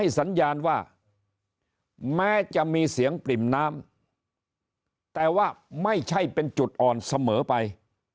สัญญาณว่าแม้จะมีเสียงปริ่มน้ำแต่ว่าไม่ใช่เป็นจุดอ่อนเสมอไป